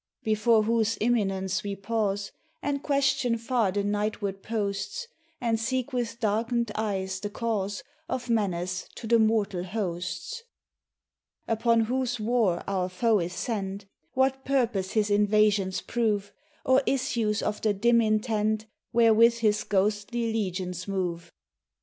Before whose imminence we pause And question far the nightward posts, And seek with darkened eyes the cause Of menace to the mortal hosts: Upon whose war our foe is sent; What purpose his invasions prove; Or issues of the dim intent Wherewith his ghostly legions move.